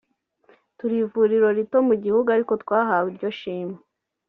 turi ivuriro rito mu gihugu ariko twahawe iryo shimwe